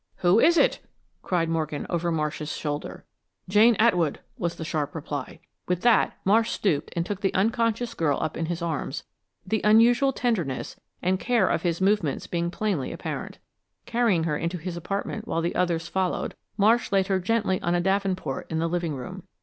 "Who is it?" cried Morgan, over Marsh's shoulder. "Jane Atwood!" was the sharp reply. With that Marsh stooped and took the unconscious girl up in his arms, the unusual tenderness and care of his movements being plainly apparent. Carrying her into his apartment, while the others followed, Marsh laid her gently on a davenport in the living room.